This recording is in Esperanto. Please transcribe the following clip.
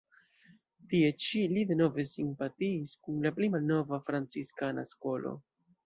Tie ĉi li denove simpatiis kun la pli malnova, franciskana skolo.